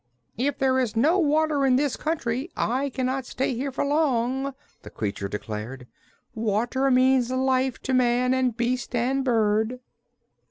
"If there is no water in this country, I cannot stay here for long," the creature declared. "Water means life to man and beast and bird."